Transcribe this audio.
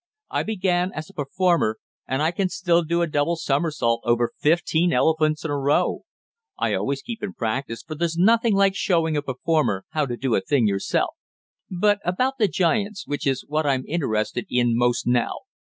I began as a performer, and I can still do a double somersault over fifteen elephants in a row. I always keep in practice for there's nothing like showing a performer how to do a thing yourself." "But about the giants, which is what I'm interested in most now.